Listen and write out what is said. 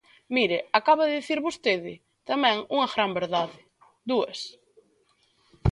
Mire, acaba de dicir vostede tamén unha gran verdade, dúas.